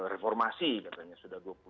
reformasi katanya sudah